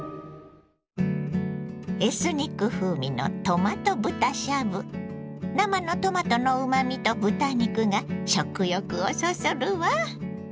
エスニック風味の生のトマトのうまみと豚肉が食欲をそそるわ。